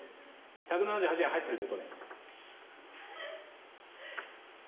１７８円入ってるって事ね？